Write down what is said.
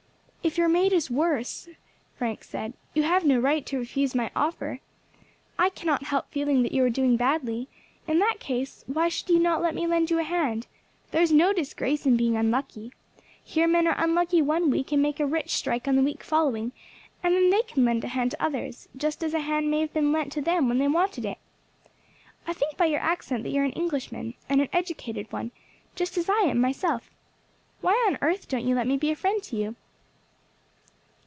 "If your mate is worse," Frank said, "you have no right to refuse my offer. I cannot help feeling that you are doing badly; in that case, why should you not let me lend you a hand? There's no disgrace in being unlucky. Here men are unlucky one week, and make a rich strike on the week following, and then they can lend a hand to others, just as a hand may have been lent to them when they wanted it. I think by your accent that you are an Englishman, and an educated one, just as I am myself. Why on earth don't you let me be a friend to you?"